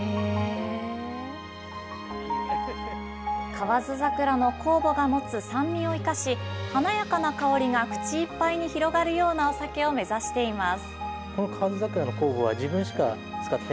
河津桜の酵母が持つ酸味を生かし、華やかな香りが口いっぱいに広がるようなお酒を目指しています。